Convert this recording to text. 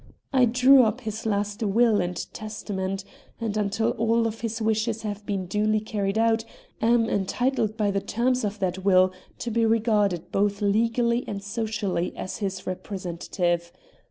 "I drew up his last will and testament, and, until all of his wishes have been duly carried out, am entitled by the terms of that will to be regarded both legally and socially as his representative.